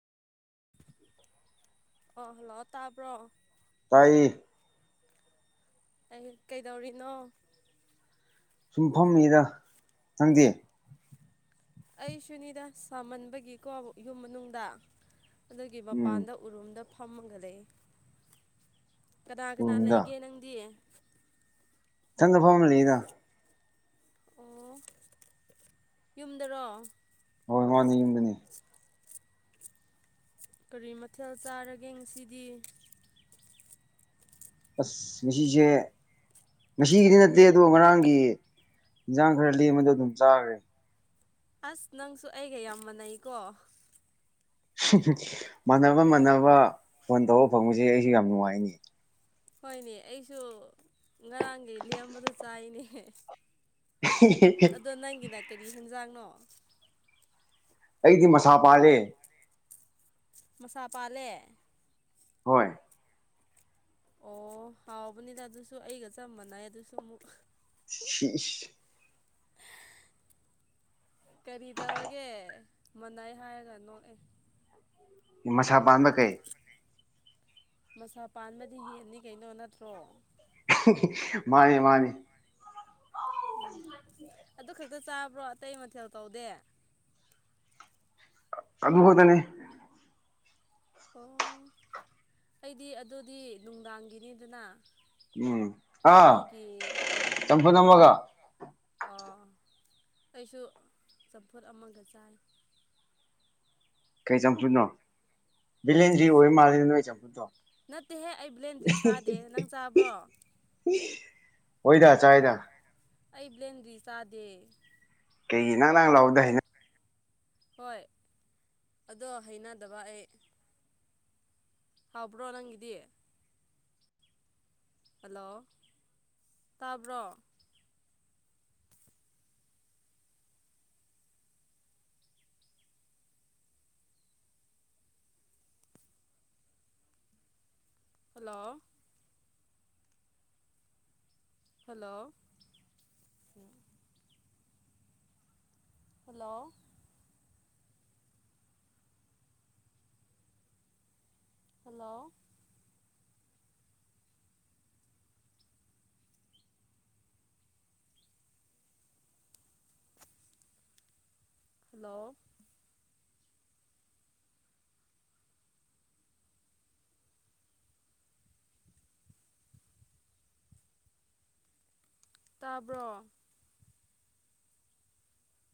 ꯑꯣ ꯍꯜꯂꯣ ꯇꯥꯕ꯭ꯔꯣ ꯇꯥꯏꯌꯦ ꯀꯩ ꯍꯦꯟ ꯀꯩꯗꯧꯔꯤꯅꯣ ꯁꯨꯝ ꯐꯝꯃꯤꯗ ꯅꯪꯗꯤ ꯑꯩ ꯁꯨꯅꯤꯗ ꯁꯥꯃꯟꯕꯒꯤꯀꯣ ꯌꯨꯝ ꯃꯅꯨꯡꯗ ꯑꯗꯨꯒꯤ ꯎꯝ ꯃꯄꯥꯟꯗ ꯎꯔꯨꯝꯗ ꯐꯝꯃꯒ ꯂꯩ ꯀꯅꯥ ꯀꯅꯥ ꯔꯨꯝꯗ ꯂꯩꯒꯦ ꯅꯪꯗꯤ ꯏꯊꯟꯗ ꯐꯝꯔ ꯂꯩꯗ ꯑꯣ ꯌꯨꯝꯗꯔꯣ ꯍꯣꯏ ꯃꯥꯅꯦ ꯌꯨꯝꯗꯅꯤ ꯀꯔꯤ ꯃꯊꯦꯜ ꯆꯥꯔꯒꯦ ꯉꯁꯤꯗꯤ ꯑꯁ ꯉꯥꯁꯤꯁꯦ ꯉꯁꯤꯒꯤꯗꯤ ꯅꯠꯇꯦ ꯑꯗꯣ ꯉꯔꯥꯡꯒꯤ ꯏꯟꯖꯥꯡ ꯈꯔ ꯂꯦꯝꯕꯗꯣ ꯑꯗꯨꯝ ꯆꯥꯈ꯭ꯔꯦ ꯑꯁ ꯅꯪꯁꯨ ꯑꯩꯒ ꯌꯥꯝ ꯃꯥꯟꯅꯩꯀꯣ [unintelligible] ꯃꯥꯟꯅꯕ ꯃꯥꯟꯅꯕ ꯐꯣꯟ ꯇꯧꯕ ꯐꯪꯕꯁꯦ ꯑꯩꯁꯨ ꯌꯥꯝ ꯅꯨꯡꯉꯥꯏꯅꯦ ꯍꯣꯏꯅꯦ ꯑꯩꯁꯨ ꯉꯔꯥꯡꯒꯤ ꯂꯦꯝꯕꯗꯨ ꯆꯥꯏꯅꯦ ꯑꯗꯣ ꯅꯪꯒꯤꯅ ꯀꯔꯤ ꯍꯦꯟꯖꯥꯡꯅꯣ ꯑꯩꯗꯤ ꯃꯁꯥ ꯄꯥꯜꯂꯦ ꯃꯁꯥ ꯄꯥꯜꯂꯦ ꯍꯣꯏ ꯑꯣ ꯍꯥꯎꯕꯅꯤꯗ ꯑꯗꯨꯁꯨ ꯑꯩꯒ ꯆꯞ ꯃꯥꯟꯅꯩ ꯑꯗꯨꯁꯨ ꯑꯃꯨꯛ [unintelligible] ꯀꯔꯤ ꯇꯧꯔꯒꯦ ꯃꯥꯅꯥꯏ ꯍꯥꯏꯔꯒ ꯅꯣꯛꯑꯦ ꯃꯁꯥ ꯄꯥꯟꯕ ꯀꯩ ꯃꯁꯥ ꯄꯥꯟꯕꯗꯤ ꯌꯦꯟꯅꯤ ꯀꯩꯅꯣ ꯅꯠꯇ꯭ꯔꯣ [unintelligible] ꯃꯥꯅꯤ ꯃꯥꯅꯤ ꯎꯝ ꯑꯗꯨ ꯈꯛꯇ ꯆꯥꯕ꯭ꯔꯣ ꯑꯇꯩ ꯃꯊꯦꯜ ꯇꯧꯗꯦ ꯑꯗꯨ ꯈꯛꯇꯅꯦ ꯑꯣ ꯑꯩꯗꯤ ꯑꯗꯨꯗꯤ ꯅꯨꯡꯗꯥꯡꯒꯤꯅꯤꯗꯅ ꯎꯝ ꯑꯥ ꯑꯗꯨꯒꯤ ꯆꯝꯐꯨꯠ ꯑꯃꯒ ꯑꯣ ꯑꯩꯁꯨ ꯆꯝꯐꯨꯠ ꯑꯃꯒ ꯆꯥꯏ ꯀꯩ ꯆꯝꯐꯨꯠꯅꯣ ꯕꯦꯂ꯭ꯦꯟꯗꯔ꯭ꯤ ꯑꯣꯏ ꯃꯥꯜꯂꯤ ꯅꯣꯏ ꯆꯝꯐꯨꯠꯇꯣ ꯅꯠꯇꯦꯍꯦ ꯑꯩ ꯕ꯭ꯂꯦꯟꯗ꯭ꯔꯤ ꯆꯥꯗꯦ ꯅꯪ ꯆꯥꯕ꯭ꯔꯣ ꯍꯣꯏꯗ ꯆꯥꯏꯗ ꯑꯩ ꯕ꯭ꯂꯦꯟꯗ꯭ꯔꯤ ꯆꯥꯗꯦ ꯀꯩꯒꯤ ꯅꯥꯡ ꯅꯥꯡ ꯂꯥꯎꯕꯗꯣ ꯍꯩꯅ ꯍꯣꯏ ꯑꯗꯣ ꯍꯩꯅꯗꯕ ꯑꯩ ꯍꯥꯎꯕ꯭ꯔꯣ ꯅꯪꯒꯤꯗꯤ ꯍꯜꯂꯣ ꯇꯥꯕ꯭ꯔꯣ꯫ Hello hello hello hello hello ꯇꯥꯕ꯭ꯔꯣ